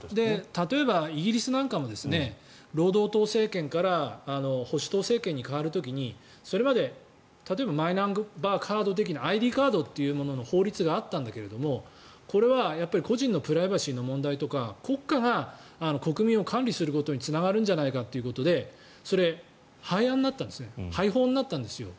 例えばイギリスなんかも労働党政権から保守党政権に代わる時にそれまで例えば、マイナンバーカード的なＩＤカードというものの法律があったんだけどこれは個人のプライバシーの問題とか国家が国民を管理することにつながるんじゃないかということで廃法になったんです。